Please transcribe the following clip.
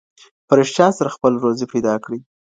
په رښتيا سره خپله روزي پيدا کړئ.